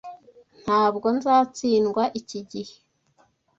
Ntabwo nzatsindwa iki gihe.